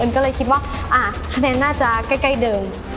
ก็เลยคิดว่าคะแนนน่าจะใกล้เดิม